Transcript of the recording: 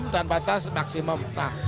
dan batas maksimum